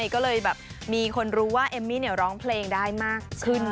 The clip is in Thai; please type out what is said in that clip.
ก็เลยแบบมีคนรู้ว่าเอมมี่ร้องเพลงได้มากขึ้น